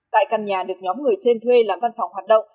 tại căn nhà được nhóm người trên thuê làm văn phòng hoạt động